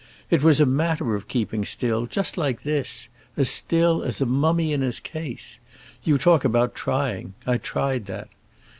It was a matter of keeping still, just like this; as still as a mummy in his case. You talk about trying; I tried that!